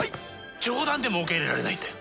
冗談でも受け入れられないんだよ！